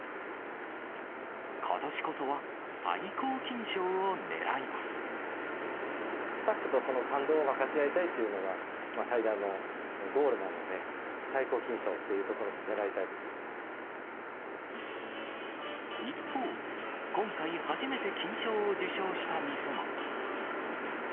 ことしこそは最高金賞をねらスタッフと、その感動を分かち合いたいっていうのが、最大のゴールなので、最高金賞っていう一方、今回、初めて金賞を受賞した店も。